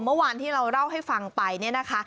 เมื่อวานที่เราเล่าให้ฟังไปเนี่ยนะคะ